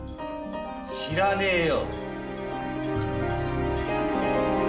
知らねえよ！